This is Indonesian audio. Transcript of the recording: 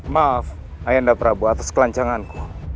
maaf ayanda prabu atas kelancanganku